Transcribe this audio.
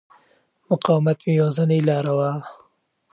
مقاومت مې یوازینۍ لاره وه.